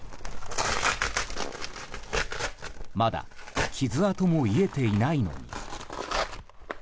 まだ傷痕も癒えていないのに。